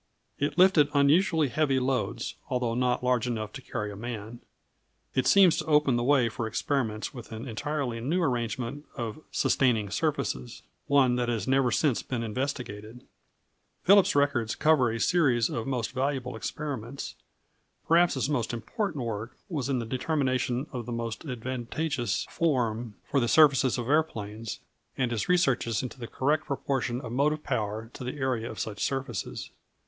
It lifted unusually heavy loads, although not large enough to carry a man. It seems to open the way for experiments with an entirely new arrangement of sustaining surfaces one that has never since been investigated. Phillips's records cover a series of most valuable experiments. Perhaps his most important work was in the determination of the most advantageous form for the surfaces of aeroplanes, and his researches into the correct proportion of motive power to the area of such surfaces.